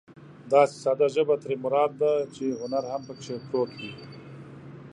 داسې ساده ژبه ترې مراد ده چې هنر هم پکې پروت وي.